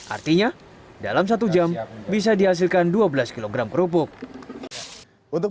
artinya dalam satu jam bisa dihasilkan dua belas kg kerupuk